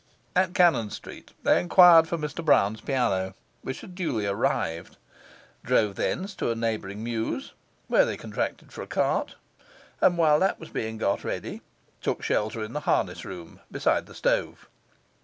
At Cannon Street they enquired for Mr Brown's piano, which had duly arrived, drove thence to a neighbouring mews, where they contracted for a cart, and while that was being got ready, took shelter in the harness room beside the stove.